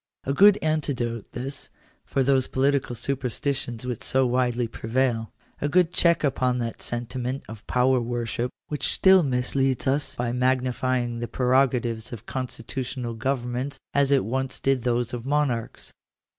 A good antidote, this, for those political superstitions which so widely prevail. A good check upon that sentiment of power worship which still misleads us by magnify ing the prerogatives of constitutional governments as it once did those of monarohs.